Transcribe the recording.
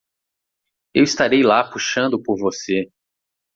Eu estarei lá puxando por você.